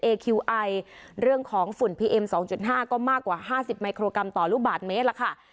เอคิวไอเรื่องของฝุ่นพีเอ็มสองจุดห้าก็มากกว่าห้าสิบไมโครกรัมต่อลูกบาทเมตรแล้วค่ะ